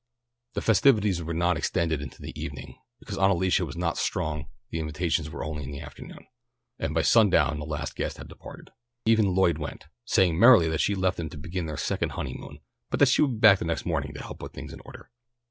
The festivities were not extended into the evening. Because Aunt Alicia was not strong the invitations were only for the afternoon, and by sundown the last guest had departed. Even Lloyd went, saying merrily that she left them to begin their second honeymoon, but that she would be back next morning to help put things in order.